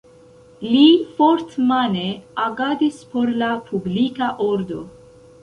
Li fort-mane agadis por la publika ordo.